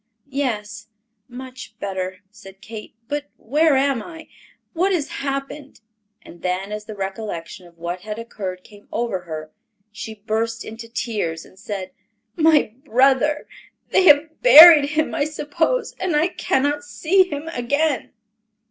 "Yes, much better," said Kate; "but where am I? What has happened?" And then as the recollection of what had occurred came over her, she burst into tears and said, "My brother—they have buried him, I suppose, and I cannot see him again."